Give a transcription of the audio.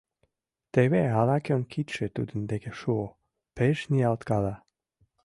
Теве ала-кӧн кидше тудын деке шуо, пеш ниялткала...